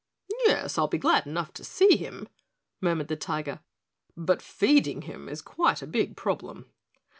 "Yes, I'll be glad enough to see him," murmured the Tiger, "but feeding him is quite a big problem."